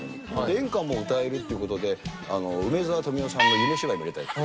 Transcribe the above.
演歌も歌えるっていう事で梅沢富美男さんの『夢芝居』も入れたり。